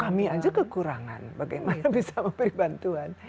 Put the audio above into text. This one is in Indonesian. kami aja kekurangan bagaimana bisa memberi bantuan